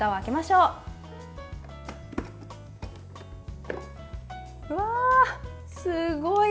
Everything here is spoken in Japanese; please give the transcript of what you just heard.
うわあ、すごい！